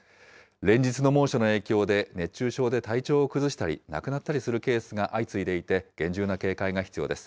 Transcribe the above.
連日の猛暑の影響で、熱中症で体調を崩したり、亡くなったりするケースが相次いでいて、厳重な警戒が必要です。